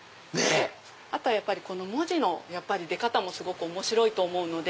あとは文字の出方もすごく面白いと思うので。